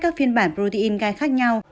các phiên bản protein gai khác nhau